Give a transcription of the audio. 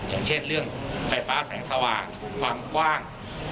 อย่างเช่นเรื่องไฟฟ้าแสงสว่างความกว้าง